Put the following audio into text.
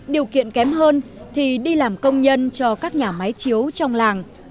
điều kiện kém hơn thì đi làm công nhân cho các nhà máy chiếu trong làng